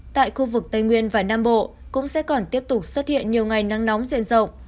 tại khu vực tây nguyên và nam bộ cũng sẽ còn tiếp tục xuất hiện nhiều ngày nắng nóng diện rộng